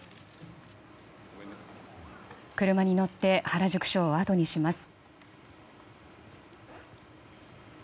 車に乗って原宿署をあとにします。